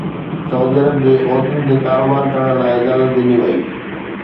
سعودي عرب جي عورتن کي ڪاروبار ڪرڻ جي اجازت ڏني وئي